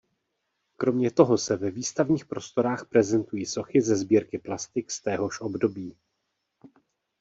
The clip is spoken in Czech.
Kromě toho se ve výstavních prostorách prezentují sochy ze sbírky plastik z téhož období.